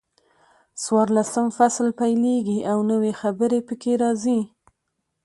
څلورلسم فصل پیلېږي او نوي خبرې پکې راځي.